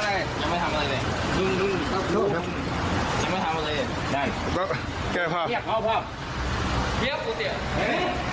มีบ้านไน้ำเข๊า